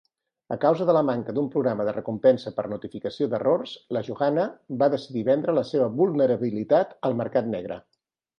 A causa de la manca d'un programa de recompensa per notificació d'errors, la Johanna va decidir vendre la seva vulnerabilitat al mercat negre.